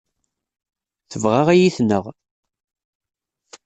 Tebɣa ad iyi-tneɣ.